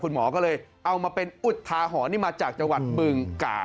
คุณหมอก็เลยเอามาเป็นอุทาหรณ์นี่มาจากจังหวัดบึงกา